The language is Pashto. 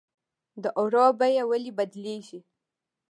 د اوړو بیه ولې بدلیږي؟